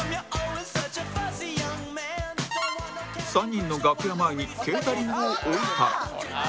３人の楽屋前にケータリングを置いたら